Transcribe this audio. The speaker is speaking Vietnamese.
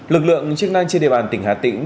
lực lượng chức năng trên địa bàn tỉnh hà tĩnh